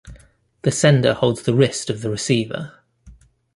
The sender holds the wrist of the receiver.